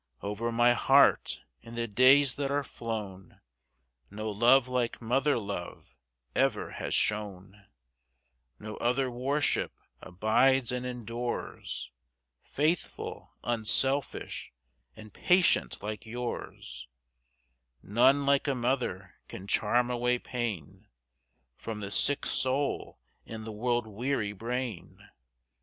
Over my heart, in the days that are flown, No love like mother love ever has shone; No other worship abides and endures,—Faithful, unselfish, and patient like yours:None like a mother can charm away painFrom the sick soul and the world weary brain.